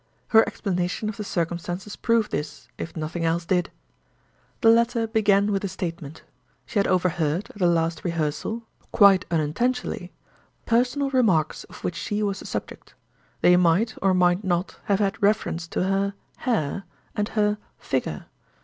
Her explanation of the circumstances proved this, if nothing else did. The letter began with a statement: She had overheard, at the last rehearsal (quite unintentionally), personal remarks of which she was the subject. They might, or might not, have had reference to her—Hair; and her—Figure.